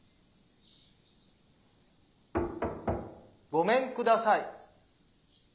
・ごめんください。